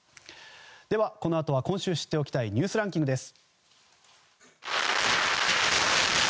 では、このあとは今週知っておきたいニュースランキングです。